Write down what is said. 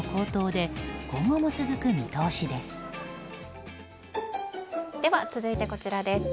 では続いて、こちらです。